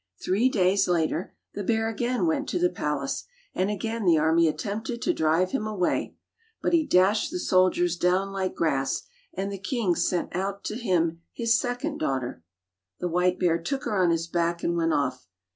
Three days later the bear again went to the palace, and again the army attempted to drive him away, but he dashed the sol diers down like grass, and the king sent out to him his second daughter. The white bear took her on his back and went off.